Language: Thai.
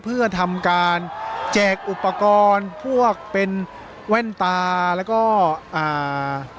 เพื่อทำการแจกอุปกรณ์พวกเป็นแว่นตาแล้วก็อ่า